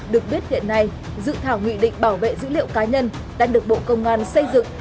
được biết hiện nay dự thảo nghị định bảo vệ dữ liệu cá nhân đang được bộ công an xây dựng